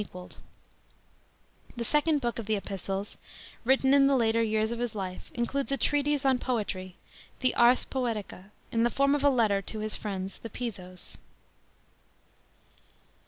XL equalled The second Book of the Kpistles, written in the later years of his life, includes a Treatise on Poetry, the Ars Poetica, in the form of a letter to his friends the Pisos.